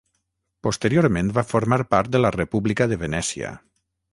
Posteriorment va formar part de la República de Venècia.